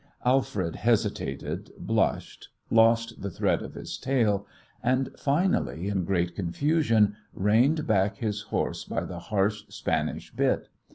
Alfred hesitated, blushed, lost the thread of his tale, and finally in great confusion reined back his horse by the harsh Spanish bit.